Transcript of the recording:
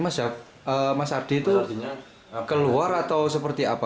mas ardi itu keluar atau seperti apa